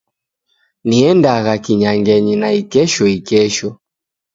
Niendagha kinyangenyi naikesho ikesho.